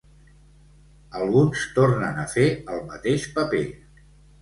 Alguns tornen a fer el mateix paper.